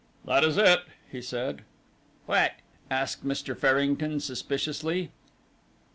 "That is it," he said. "What?" asked Mr. Farrington, suspiciously.